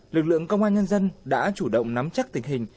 lực lượng công an nhân dân đã chủ động nắm chắc tình hình